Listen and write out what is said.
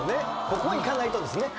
ここはいかないとですね。